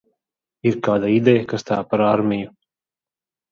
Ir kāda ideja, kas tā par armiju?